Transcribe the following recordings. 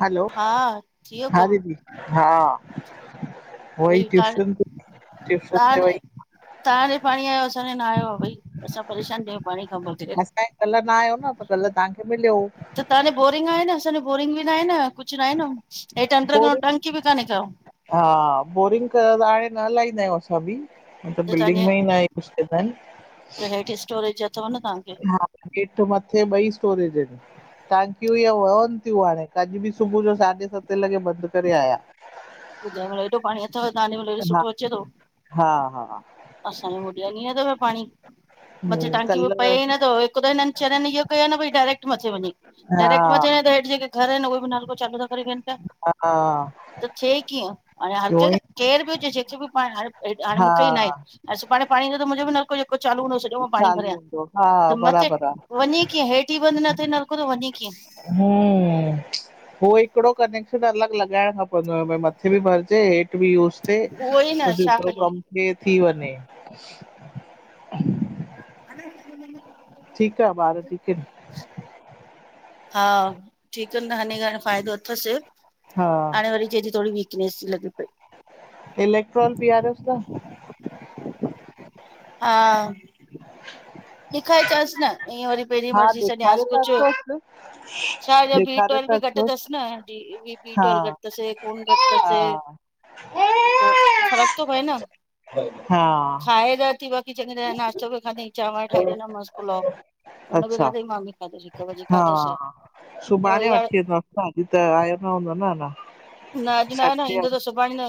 हलो हा थी वियो हा कमु दीदी हा वई भई तव्हां ट्यूशन ट्यूशन ते वई तव्हां तव्हां ॾे पाणी आयो असां ॾे न आयो। भई असां परेशान थ्यां आयूं पाणी असांखे कल्ह न आयो न त कल्ह तव्हांखे मिलियो त तव्हांजी बोरिंग आहे न असांजो बोरिंग बि न आहे कुछ न आहे न हेठ अंडर ग्राऊंड बोरिंग टंकी बि काने का। हा बोरिंग कयो त हाणे न लइन्दा आयु असां बि मतिलब त बिल्डिंग तव्हांजे में ई न आ आहेन। त हेठि स्टोरेज अथव न तव्हांखे हा हेठ मथे ॿई। टंक्यू हिय वहनि थियूं हाणे अॼ बि सुबुह जो साढे सतें लॻे बंदि करे आया। ॿुधाय मतलब हेॾो पाणी अथव तव्हांॾे महिल ॾो हा सुठो अचे थो हा हा असांजे मुॾि न त पाणी। मथे हम्म, टांकी में पए कल्ह ई नथो हिकु त हिननि चरनि इहो कयो आहे न भई डायरेक्ट मथे वञे हा डायरेक्ट मथे वञे त हेठि जेके घर आहिनि उहे बि नाल को चालू था करे वेहनि हा पिया। थिए कीअं? हाणे हर कंहिंखे उहोई केरु बि हुजे जेको बि पाण हाणे हाणे हा मूंखे ई नाहे सुभाणे। पाण जो त मुंहिंजो चालू हूंदो सॼो मां पाणी चालू भरियां हूंदो हा त मथे बराबरि आहे वञी कीअं हेठि बंदि न थिए नलको त वञी। हम हो हिकड़ो कनेक अलॻि लगाइण खप भ मथे बि भरजे हेठ। उहो ई न छा तो कजे कम थ थी वञे। [inaudible] ठीकु आहे बार ठीक इन? हा ठीकु आहे न त हाणे हाणे फ़ाइदो अथसि हा हाणे वरी च थी थोरी वीक। लगी पयी आ। इलेक्ट्रोल पीआरियोसि न हा ॾखाए चेस न। ईअं वरी पहिरीं हा मर्ज़ी छॾियांसि ॾेखारे त कुझु अचोसि छा बी ॾेखारे ट्वेल् त बि घटि अचोसि अथसि न। बी हा ट्वेलव घट तस खून घट तस। हा पोइ फर्क त पए न हा खाए र थी बक़ी। चङ ना्तो बि ठाहे ॾिना मास पुलओ उन अच्छा [unintelligible] हा खाधोस सुभाणे वठी वेंदोसि न अॼु त आयो न हूंदो नञ। न अॼु न आहे न ईंदो त सुभाणे न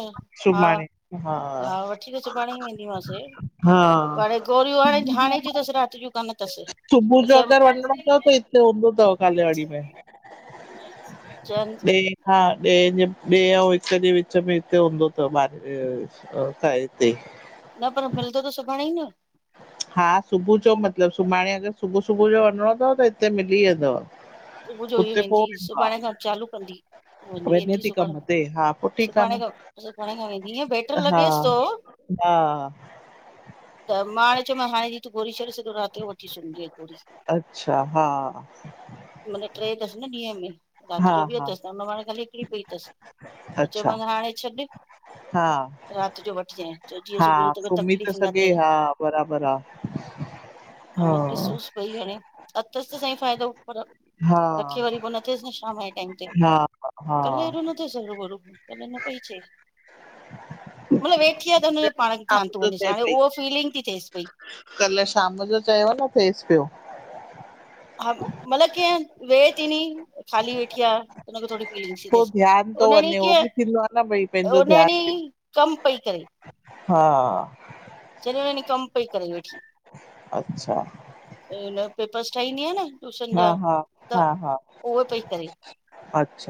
हा। हा वठी करे सुभाणे ई वेंदीमासि, हा हाणे गोरियूं हाणे हाणे जूं असि रात। सुबुह जो अगरि वञणो अथव त हिते हूंदो अथव कालिवाड़ी में। चंद। ॿि जे विच में हिते हूंदो तव हिते। न पर मिलंदो त सुभाणे ई न। हा सुबुह जो मतलबु सुभाणे अगरि सुबुह सुबुह जो वञिणो अथव त हिते मिली वेंदव। सुबुह जो ई हुते वेंदी पोइ वेंदो सुभाणे खां चालू कंदी। आहे वञी वञे वेंदी थी कम सुभाणे ते हा पोइ ठीकु आहे सुभाणे न खां सुभाणे खां वेंदी इअ बेटर हा लॻेसि सो। हा। त मां हाणे चयोमस हाणे तू गोरी छॾे सो राति जो वठी सुम जे। अच्छा हा। मन ट्रे अथसि न ॾींहं में राति हा जो बि हा अथसि, न हुन हे ख़ाली हिकिड़ी पई अथसि। त चव मां हाणे छॾ राति जो वठिजांइ चयो जीअं हा-हा सुबुह जो तोखे सुमी त तकलीफ़ न सघे थिए हा बराबर हा। हाणे ॾिसोसि भई हाणे अथस त सई फ़ाइदो पर। हा रखे वरी पोइ न थियएसि न शाम जे टाइम ते हा हा कल्ह हेॾो न थिएसि अरू बरू। कल न पई चय। [inaudible] मतलबु वेठी आहे त हुनजो पाण खे, शाम धयान थो जो वञेस थिए हाणे पई उहो फीलिंग थी थिएि पई। कल्ह शाम जो चयो न थिएसि पियो। हा मल कीअ वे थीनी। खाली वेठी आहे थोड़ी फीलिंग पो ध्यानु थो उनि डीय वञे हो के। बि थींदो आहे न भई पंहिंजो उननि ध्यानु कम पई करे। हा। चली कंप पई करेई वेठी। अच्छा। हुन पेपर्स ठाहींदी आहिय न ट्यूशन हा जा हा त हा हा उहे पई करे।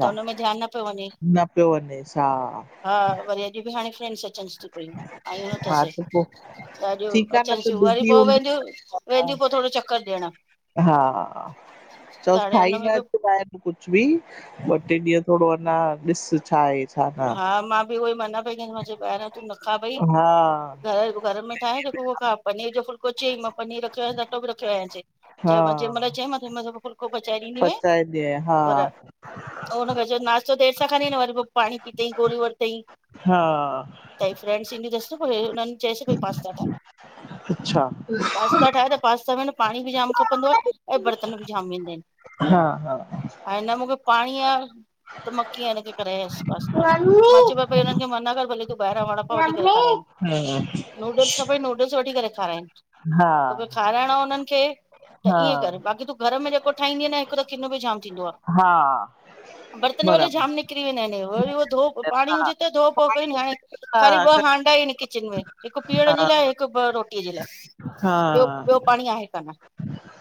त हुनमें ध्यानु न पियो वञे न पियो वञेसि हा हा वरी अॼु बि हाणे। फ्रँडस अचन थी पयूं आयूं हा नथसे। त पो त अॼु ठीकु आहे न अचनि त थियूं वरी बिज़ी पोइ हूंदी वेंदियूं, हा वेंदियूं पोइ थोरो चकर ॾियणु। हा चओसि हुन खाई में बि अचंदा आहिनि कुझु बि ॿ ट्रे ॾींहं थोरो। पो अञां ॾिस छा आहे। छा न हा मां बि उहोई माना ॿाहिरां तूं न खावई हा घर घर में ठाहेा पनीर जो फुलक। खुद चयई मां पनीर रखियो आहे त अटो बि रखियो आहे हा चयमास जंहिं माल चए मा फुल्को पचाए ॾींदी माऍ। पचाईंदी आहियां पर हा हुनखे जो नाश्तो देर सां खणी वरी। पाणी पीतई गोरी वरितई हा त फ्रेंडस ईंदी अथसि न हुननि। पास्ता ठाहे, अच्छा पास्ता ठाऍ त पास्ता में न पाणी बि जाम खप। ईनमे बरतन भी जाम वेन्दा आहेन, हा हा ऐ न मुखे पाणी आ। त मा कीय इनखे करायस। पास्ता मम्मी मां भई हिननि खे मना कर भले तूं ॿाहिरां वड़ा पा वठी करे मम्मी खारान। नूडल्स खपई नूडल्स वठी करे रख। हा तोखे खाराइणो हुननि खे हा त हा ईअं कर बाक़ी तूं घर में जेको ठाहींदीय हिकु त किन बि जाम थींदो हा आहे बर्तन भले बराबरि जाम निकिरी वेंदा आहिनि। वरी धो पाणी हा हुजे त धो कयो हाण हा खाली ॿ हांडा आहिनि किचन में हिकु पीअण जो। हिकु ॿ रोटीअ जे लाइ ॿियो ॿियो पाणी आहे कान।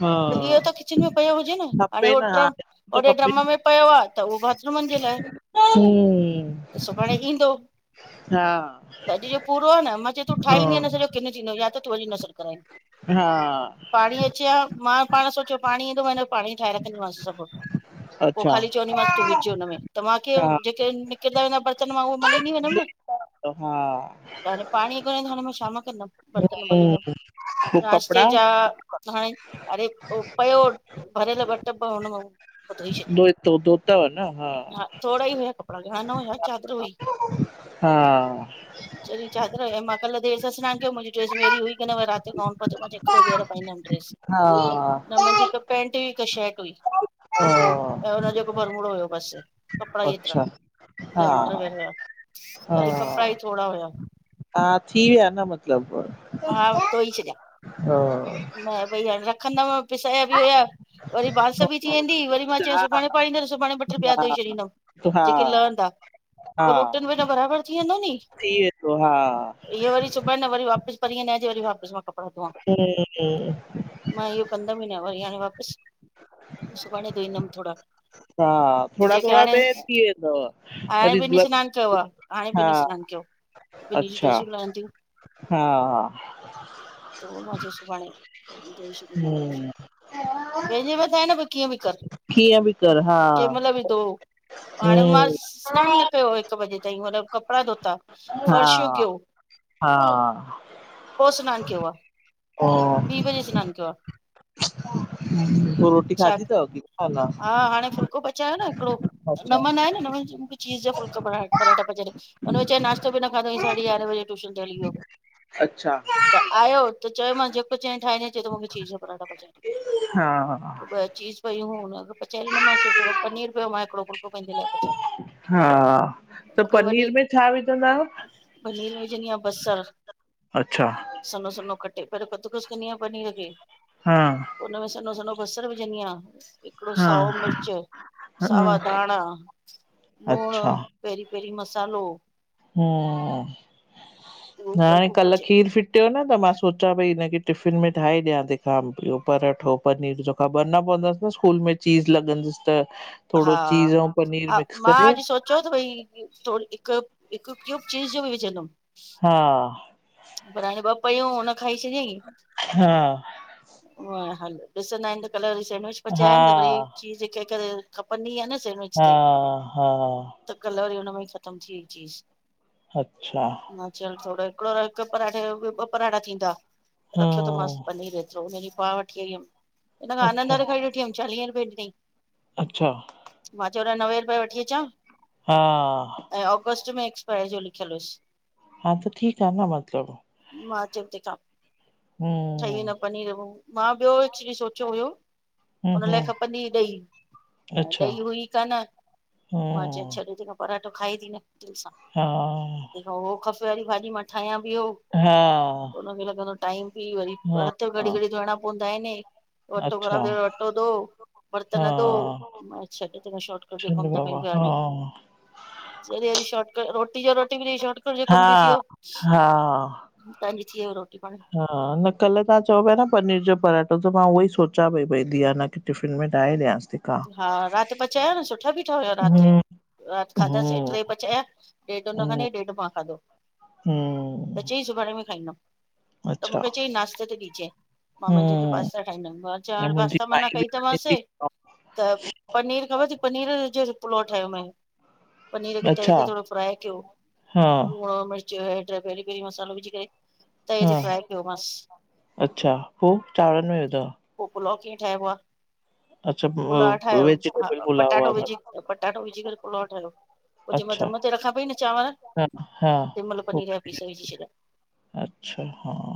हा त इहो त किचन में पियो हुजे न हाणे हो खपेन हा ड्रम। त ओॾे ड्रम खपेन में पियो आहे त उहो बाथरूमनि जे लाइ। हम्म त सुभाणे ईंदो। हा त अॼु जो पूरो आहे न मां चयोई तूं हा ठाहदीअ न सॼो किन थींदो या त तूं अॼु न करान। हा पाणी अचे हा मां सोचियो पाणी ईंदो। पाणी ठाहे रखंदीमस सभु पोइ अच्छा खाली हा चवंदीमस तूं विज हुन मे मांखे। किरा वेंदा बर्तन मां उहो मली न वेदम न। हा त हाणे पाणी कोने हाणे मां छाम। बर्तन मलीन पो कपड़ा नाश्ते जा। हाणे पियो भरियल ॿ टप हून मा। धोतव न हा। कपड़ा लह न हुया चादर हुई। हा चरी चादर ऐं मां कल्ह देर सा सनानु कयो मुंहिंजी ड्रेस मेरी हुई क न व राति जो गाउन पातम मां हिकिोॿेर पाईंदमि। हा हा न मुंहिंजी हिकु पेंंट हुई हिकु शर्ट हुई। हा हिक बरमूढो हुयो बस कपिड़ा ई हेतरा हा अंडरवेर हा हुया कपड़ा ई थोड़ा हुया। हा थी विया न मतलब। न भई हाणे रखंदमि पिसाया बि हुया वरी बांस बि थी वेंदी वरी। मां चयो हा सुभाणे पाणींदि सुभाणे ॿिया हा धोई छॾींदमि हा जेके लहंदा। हा पो रोटन बि न बराबरि थी वेंदो थी वेंदो हा वरी सुबाइ वरी वापिस परीअ न वापस मां कपड़ा धोआ। ऐं इहो कंदम ई न वरी हाणे वापसि सुभाणे धोईंदमि थोरा। हा थोरा जेके थोरा हाणे में थी वेंदव हाणे वरी बि सनान कयो आहे हा हाणे सनान। बिनीश अच्छा ड्रेसूं लयन्दू। हा हा त उहो मां चयो सुभाणे पंहिंजे मथां आहे न भई कीअं बि कर। कीअं बि कर हा कंहिं महिल विधो हाणे मां हम्म सनानु न कयो हिकु बजे। त मतलब कपड़ा धोता। हा फर्शू उगयो हा पो सनान कयो आ। ओ बि वजे कयो आ। पो रोटी छा खादी तौ अदी। हा हाणे फुलको पचायो न हिकिड़ो अच्छा नमन अची रहियो आहे नमन चीज़ जो फुलका पराठा पचाया उन नाश्तो बिना खाधे साढीयारहें बजे टियूशन ते हली वियो अच्छा आयो त चयो मांस जेको च‌और उहो ठाहे डिये चयो त चीज़ पीजा पराठा पचाए हा ॾियो व चीज़ पई हुयूं हुनखे पचाए ॾिनमास थोड़ो पनीर पयो हुयो मां हिकड़ो पुलको पंहिंजे लाइ पचायो हा त मूंखे वॾी पनीर में छा विझंदा आयो पनीर में विझंदी आहियां बसर सनो -सनो कटे पहिरों कदुकस कंदी पनीर खे हा उन में सनो सनो बसर विझदिया हिकिड़ो साओ हा मिर्च सावा हाँ, धाणा लूण अच्छा पेरी - पेरी मसालो ह ह उहो करे हाणे कल पचे। खीर फिटियो न त मां सोचां पई हिनखे टिफ़िन में ठाहे ॾियां तेखा इहियो पराठो पनीर जो ख़बर न पवंदस न स्कूल में चीज़ त हा थोरो चीज़ ऐं पनीर हा मिक्स मां करे अॼु सोचियो त भई थोरी हिकु क्यूब चीज़ जो विझंदम हा पर हाणे ॿ पयूं हुयूं हुन खाई छॾेई हा हलो ॾिसंदा आहिनि त कल्ह वरी सेंडविच ठाहिया हा आहिनि त वरी चीज़ खपंदी आहे न सैंडविच हा ते हा ख़तम थी वई चीज़ अच्छा मां चयो हल थोरो हिकिड़ो हिक परांठे मां ॿ पराठा थीं वेंदा रखियो थी मांस हम्म पनीर ऐतरो उन्ह ॾींह पाव वठी आई हुयम हिन आनंद अच्छा वारे खा वठी आई हुअम चालीह रुपए ॾिन‌ईं अच्छा जो होॾां नवे रुपये वठी अचां - हा जो लिख्यल हुयस हा त ठीकु आहे न मतलब मां चयोम तेहिंखां हिन पनीर मां ॿियो एक्चुली सोचियो हुयो हम्म हुन लाएं हम्म खपंदी हुई ॾही ऐं अच्छा ॾही हुई कान मां चयमु हम्म तंहिं खां पारांठा खाधी न दिलि सां हा तंहिं खां खपे वरी भाॼी मां ठाहियां ईहो हा हुनमे लॻंदो टाइम बि वरी हा हथ घड़ी हा घड़ी धोइणा पवंदा आहिनि अच्छा, [unintelligible] हा, बर्तन थो मां त छॾ त मां शार्टकट जो छिंड कमु ता बाबा, कयूं ता हा, अॼु जॾहिं शार्टकट रोटी जो रोटी बि थी शार्टकट जो कम बि थी हा, वियो हा [inaudible] हा न कल तव्हां चओ पया न पनीर जो पराठा त मां उहोई सोचां पई धीअ खे टिफ़िन में ठाहे ॾियांसि थी का हा रातु पचायो न सुठा बीठा हुयो रातु हम्म, जो रात खाधासी हम्म, टे पचाया ॾेढ हुन खाध‌ईं हम्म, ॾेढ मां खाधो‌‌ त हम्म, चयईं सुभाणे बि खाईंदम त अच्छा, मूंखे चयईं नाश्ते ते ॾिजएं मां मंझद जो हम्म, पास्ता ठाहींदम मां चयो ऐं हाणे मुंहिंजी पास्ता मना माई बि कई खाए थी [unintelligible] त पनीर खबर त‌ई पनीर जो पुलाअ ठायो मएं पनीर खे त‌ऐ अच्छा, ते थोड़ो फ्राए कयो हा [unintelligible] पैरी-पैरी मसालो विझी करे तऐ हा, ते फ्राए कयो मांस अच्छा, पो चांवरनि में विधव? पो पुलाव कियं ठाहिबो आ अच्छा पुलाअ व ठाहियो, हा वेजिटेबल पुलाव पटाटो विझी वांगुरु, पटाटो विझी करे पुलाअ ठाहियो पोइ जेमल अच्छा, धम ते रखां पई न चांवर हा, हा, तेमल पनीर जा पीस विझी छॾिया अच्छा! हां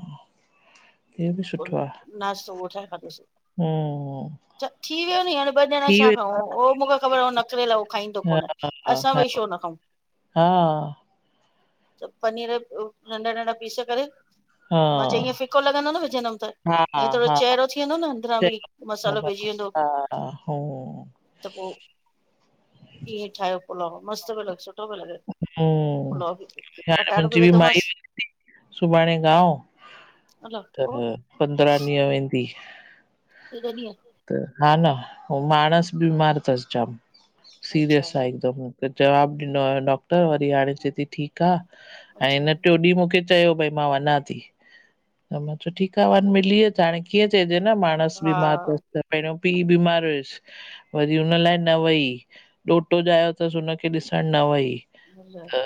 हे बि पोइ सुठो आ! ह् नाश्तो उहो ठाहे खाधोसीं ह् ह म थी वियो नी हाणे ॿ जणा छा खाऊं? वो मुंखे ख़बर आ नखरेलो आ। वो खाईंदो आहे न कोन। असां ॿई छो न खाऊं? हा, हा त पनीर नंड़ा नंड़ा पीस करे हा, मां चयो हिअं फिक्को लॻंदो न विजनम त। हा, हा, ईंअ थोड़ो हा, चहिरो थी वेंदो न अंदरां बि चलो मसालो पइजी बराबरि, वेंदो। हा, हम्म, त पो इंअ ठाहियो पुलाव। मस्त पियो लॻस। सुठो पियो लॻे, हम्म, पुलाव भी। हाणे पटाटो भी मुंहिंजी बि विथो माई मांस सुभाणे गांव अला त पो पंद्राह ॾींहं वेंदी। हेॾा ॾिंहं! त हा न, वो मांण़स बीमार तस जाम, अच्छा सीरियस आ एकदम। त जवाब ॾिनो आ डॉक्टर, वरी हाणे चएथी ठीक आ ऐं अच्छा हिन ट्यों ॾींहं मुंखे चयो भाई मां वञां थी त मां चयो, ठीक आ, वञ मिली अच हाणे कीअं चएजे न, मांण़स हा बीमार तस त, पेहरों पी बीमार हुयस, वरी हुन लाइ न वई। ॾोटो जायो तस हुनखे ॾिसण न वई। अलाए अ,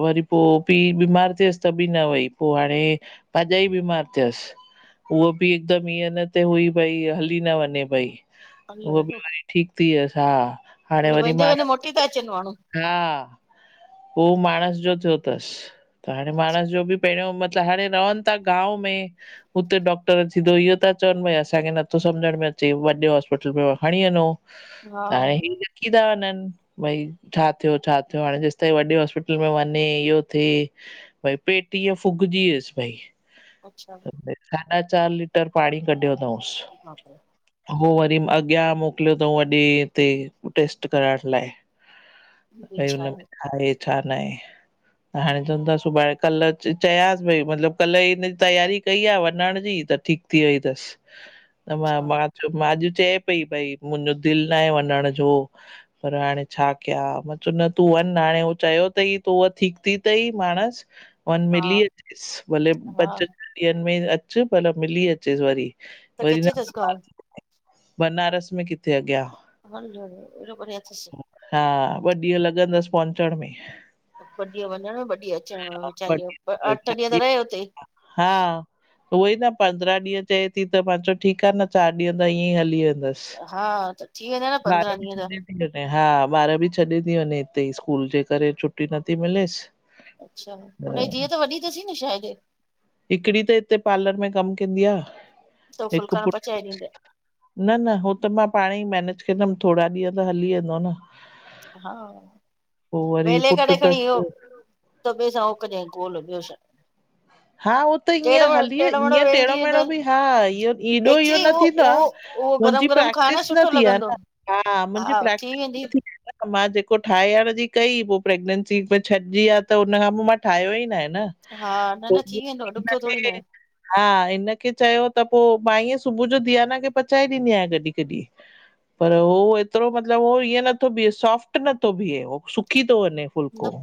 वरी पो, पी बीमार थियस, त बि न वई। पो हाणे भाज़ाई बीमार थियस। वो बि हिकदम ईंअ न ते हुई भई, हली न वञे पई। अलाए उह हेॾो बीमारी ठीक थियस हा हाणे मतलब वरी वेंदे वेंदे मांणस, मोटी था अचनि माण्हू हा वो मांण़स जो थियो तस त हाणे मांण़स जो बि पेहरों मतलब हाणे रवंता ता गांव में हूते डॉक्टर सिधो इहो ता चवन भाई, असांखे नथो समझ़ में अचे, वॾे हास्पिटल में खणी वञो। हा हाणे ही ॾकी ता वञन। भाई, छा थियो-छा थियो। हाणे जेसताईं कंहिं वॾे हास्पिटल में वञे, इहो थे भाई, पेट इअं फुगजी वयुस, भाई अच्छा साढा़ चार लीटर पाणी कढियो तांउस। हा, हो वरी अॻियां मोकलियो तांऊ वॾे हिते टेस्ट कराइण लाइ। ही छाए? हे छा लाइ त हाणे चवण था सुभाणे। कल चयांस पई मतलब, कल हिन तैयारी कई आ वञण जी त ठीक थीवई तस त मां, अच्छा मां चयो, मां अॼु चए पई भाई, मुंहिंजो दिल न आहे वञण जो। पर हाणे छा कयां? मां चयो न, तूं वञ न [unintelligible] हाणे़ वो चयो तईं त, व ठीक थी तईं माण़स। वन, हा मिली अचेस। भले हा पंज छह़ ॾींहंनि में अच। पर मिली अचेस वरी। त वरी न किथे तस गांव? बनारस में किथे अॻियां हल रे! हेॾो परे अथस हा ॿ ॾींहं लॻंदस पहुचण में ॿ ॾींहं वञण, ॿ ॾींहं अचण, हा ॿ वेचारीयजो। अठ ॾींहं त रहे हुतें। उओही न पंद्रहं ॾींहं त चए थी। त मां चयो ठीक आहें न चार ॾींहं त ईअं ही हली वें वेंदस। हा त थी वेंदा न ॿार पंद्रहं बी ॾींहं त छॾे [unintelligible] ती वञे। हाँ। ॿार बि छॾे थी वञे हितेई। स्कूल जे करे। छुट्टी नथी मिलेस। अच्छा! हुन जी धीअ त वॾी तसीं न शायद। हिकड़ी त हिते पार्लर में कम कंदी आ। त हिक़ फुलका पुट़् पचाए ॾींदे न -न हो त मां पाण़ई मेनेज केंदम। थोॾा ॾींहं त हली वेंदो आ न। हा। पो वरी वेले पुट करे खण़ी इयो, तसि दब्बे सां कजाएं गोल। ॿियो छा। हाँ, होत ईअं टेड़ो टेड़ो मेड़ो हली--ईअं वेलजी टेड़ो-मेड़ो वेंदो बि--हाँ, यो हेॾो इयो एक्चुली न उहो थींदो आं। उहो उहो गरम मुंहिंजी गरम खाए प्रैक्टिस न सुठो थी आ लॻंदो न। हाँ, मुंहिंजी हा प्रैक्टिस वेंदी न थी आ न। मां जेको ठाहयण जी कई पो प्रैगनेंसी में छॾजी वयो आ त हुन खां पो मां ठाहियो ई न आहे। हा न न थी वेंदो ॾुखियो थोरी इनखे न आहे हा इनखे चयो त पो। मां ईंय सुबुह जो दियाना खे पचाए ॾींदी आहियां कॾहिं कॾहिं। पर हो एतरो मतलब हो ईअं नथो बीहे सोफ्ट नथो बीहे सुकी तो वने न फुलको।